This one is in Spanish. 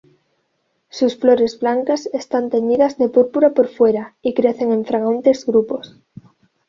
Sus flores blancas están teñidas de púrpura por fuera y crecen en fragantes grupos.